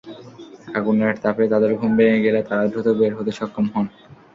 আগুনের তাপে তাঁদের ঘুম ভেঙে গেলে তাঁরা দ্রুত বের হতে সক্ষম হন।